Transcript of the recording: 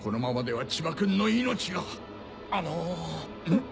ん？